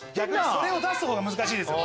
それを出す方が難しいですよ。